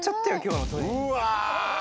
うわ！